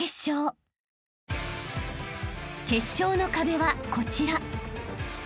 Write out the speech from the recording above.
［決勝の壁はこちら］